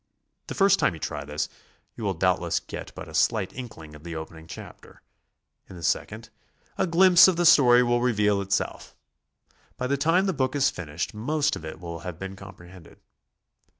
The first time you try this, you will doubtless get but a slight inkling of the opening chapter; in the second, a glimpse of the story will re veal itself; by the time the book is finished, most of it will have been comprehended.